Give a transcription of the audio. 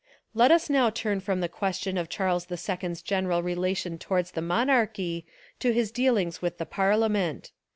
Let us now turn from the question of Charles IPs general relation towards the mon archy to his dealings with the parliament.